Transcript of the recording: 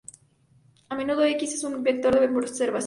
A menudo, "x" es un vector de observaciones.